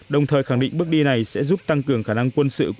đồng thời khẳng định bước đi này sẽ giúp tăng cường khả năng quân sự